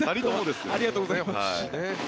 ありがとうございます。